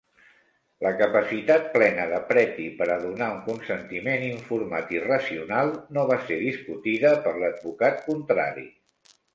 La capacitat plena de Pretty per a donar un consentiment informat i racional no va ser discutida per l'advocat contrari.